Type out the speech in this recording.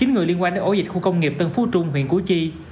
chín người liên quan đến ổ dịch khu công nghiệp tân phú trung huyện củ chi